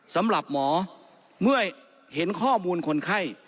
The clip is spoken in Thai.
สำหรับหมอเมื่อเห็นข้อมูลคนไข้